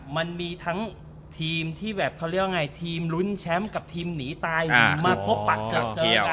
มันมีทั้งทีมที่แบบเขาเรียกว่าไงทีมลุ้นแชมป์กับทีมหนีตายมาพบปะเจอกัน